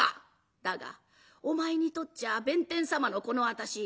だがお前にとっちゃ弁天様のこの私。